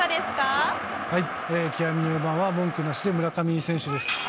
極みの４番は文句なしで村上選手です。